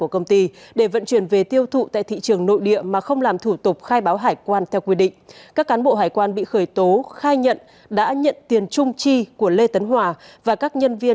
các cán bộ hải quan bị khởi tố khai nhận đã nhận tiền chung chi của lê tấn hòa và các nhân viên